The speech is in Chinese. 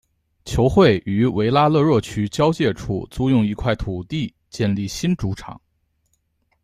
球会于维拉勒若区交界处租用一块土地建立新主场。